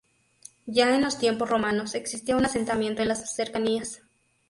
Ya en los tiempos romanos, existía un asentamiento en las cercanías.